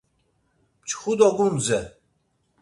Mçxu do gundze.